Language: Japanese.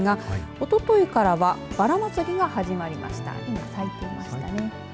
おとといからはばらまつりが始まりました。